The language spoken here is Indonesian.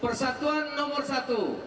persatuan nomor satu